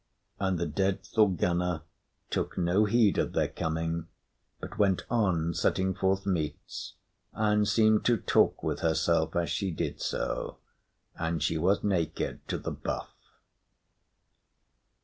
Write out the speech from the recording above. And the dead Thorgunna took no heed of their coming, but went on setting forth meats, and seemed to talk with herself as she did so; and she was naked to the buff.